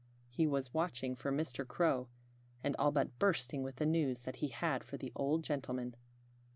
He was watching for Mr. Crow, and all but bursting with the news that he had for the old gentleman.